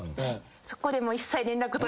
そこで。